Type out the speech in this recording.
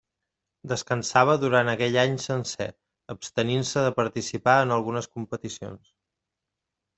Descansava durant aquell any sencer, abstenint-se de participar en algunes competicions.